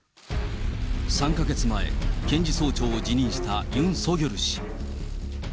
３か月前、検事総長を辞任したユン・ソギョル氏。